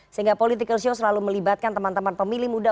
sehingga political show selalu melibatkan teman teman pemilih muda